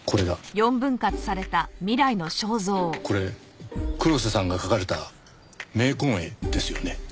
これ黒瀬さんが描かれた冥婚絵ですよね？